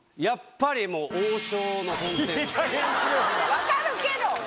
分かるけど！